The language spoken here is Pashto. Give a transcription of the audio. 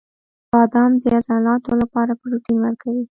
• بادام د عضلاتو لپاره پروټین ورکوي.